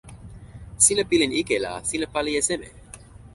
sina pilin ike la sina pali e seme?